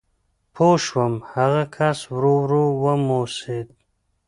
پوه شوم، هغه کس ورو ورو وموسېد.